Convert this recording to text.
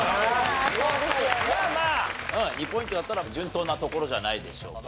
まあまあ２ポイントだったら順当なところじゃないでしょうか。